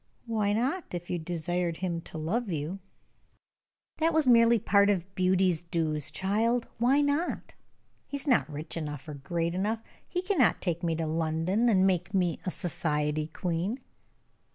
"Why not, if you desired him to love you?" "That was merely part of beauty's dues, child. Why not? He is not rich enough, or great enough; he cannot take me to London, and make me a society queen."